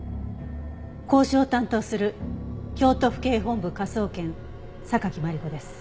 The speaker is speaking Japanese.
交渉を担当する京都府警本部科捜研榊マリコです。